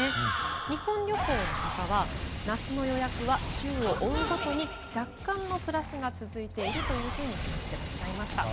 日本旅行の方は夏の予約は週を追うごとに若干のプラスが続いているというふうに話してらっしゃいました。